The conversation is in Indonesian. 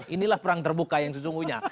inilah perang terbuka yang sesungguhnya